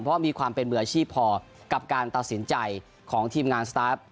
เพราะมีความเป็นมืออาชีพพอกับการตัดสินใจของทีมงานสตาร์ฟ